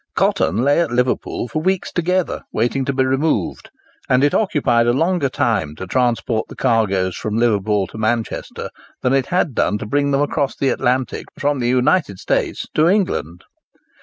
Cotton lay at Liverpool for weeks together, waiting to be removed; and it occupied a longer time to transport the cargoes from Liverpool to Manchester than it had done to bring them across the Atlantic from the United States to England.